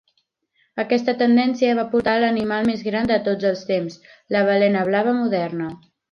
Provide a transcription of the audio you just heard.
Aquesta tendència va portar a l'animal més gran de tots els temps, la balena blava moderna.